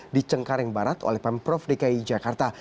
di cengkareng barat oleh pemprov dki jakarta